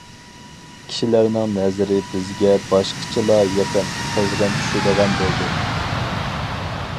كىشىلەرنىڭ نەزىرى بىزگە باشقىچىلا يېقىن، قىزغىن چۈشىدىغان بولدى.